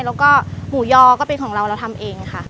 แล้วก็หมูยอก็เป็นของเราเราทำเองค่ะ